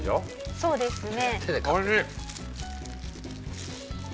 そうですね。